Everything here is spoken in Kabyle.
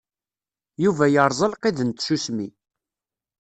Yuba yeṛẓa lqid n tsusmi.